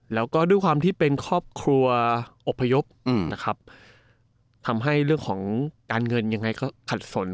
แล้วก็ด้วยความที่เป็นครอบครัวอบพยพนะครับทำให้เรื่องของการเงินยังไงก็ขัดสน